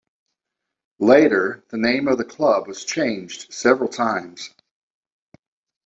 Later, the name of the club was changed several times.